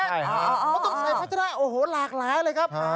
เขาต้องใส่พัฒนาโอ้โหหลากหลายเลยครับ